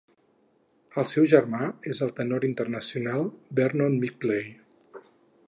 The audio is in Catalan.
El seu germà és el tenor internacional Vernon Midgley.